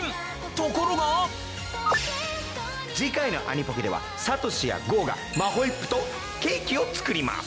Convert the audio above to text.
ところが次回のアニポケではサトシやゴウがマホイップとケーキを作ります。